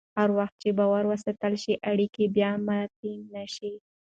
هر وخت چې باور وساتل شي، اړیکې به ماتې نه شي.